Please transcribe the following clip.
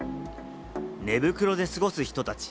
寝袋で過ごす人たち。